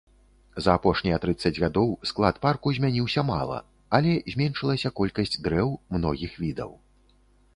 За апошнія трыццаць гадоў склад парку змяніўся мала, але зменшылася колькасць дрэў многіх відаў.